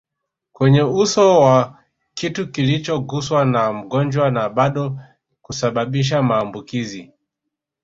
kwenye uso wa kitu kilichoguswa na mgonjwa na bado kusababisha maambukizi